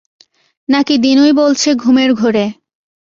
নাকি দিনুই বলছে ঘুমের ঘোরে?